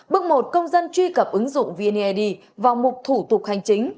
bước một công dân truy cập ứng dụng vned vào mục thủ tục hành chính